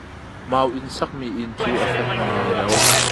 Mau in sak mi inn cu a fek ngaingai lo.